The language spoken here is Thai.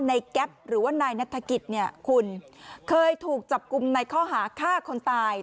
แก๊ปหรือว่านายนัฐกิจเนี่ยคุณเคยถูกจับกลุ่มในข้อหาฆ่าคนตาย